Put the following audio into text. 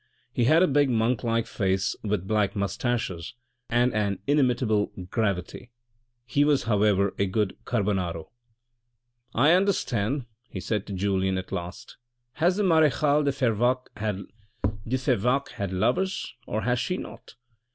He had a big monk like face with black moustaches and an inimitable gravity ; he was, however, a good carbonaro. " I understand," he said to Julien at last. " Has the marechale de Fervaques had lovers, or has she not?